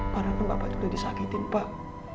padahal bapak tuh udah disakitin pak